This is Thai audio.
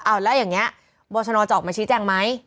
เอาแล้วอย่างนี้บรชนจะออกมาชี้แจงไหม